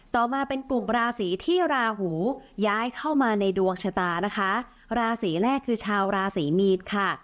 ต่อมาเป็นกลุ่มราศีที่ราหูย้ายเข้ามาในดวงชะตานะคะราศีแรกคือชาวราศีมีนค่ะ